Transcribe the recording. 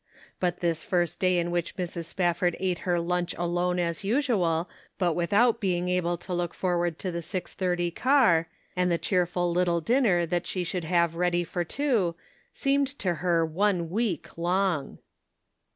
But this first day in which Mrs. Spafford ate her lunch alone as usual, but without being able to look forward to the six thirty car, and the cheerful little dinner that she should have .ready for two, seemed to her one week long.